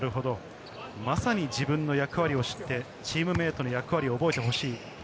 まさに自分の役割を知って、チームメートの役割を覚えてほしい。